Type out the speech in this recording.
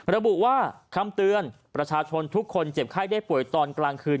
ระบุว่าคำเตือนประชาชนทุกคนเจ็บไข้ได้ป่วยตอนกลางคืน